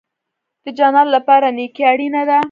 د جنت لپاره نیکي اړین ده